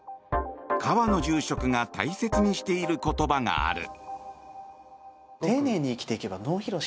川野住職が大切にしている言葉がある。